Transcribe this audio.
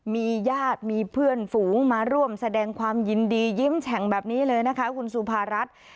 มีญาติมีเพื่อนฝูงมาร่วมแสดงความยินดียิ้มแฉ่งแบบนี้เลยนะคะคุณสุภารัฐ